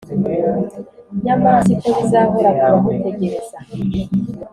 Nyamara siko bizahora ku bamutegereza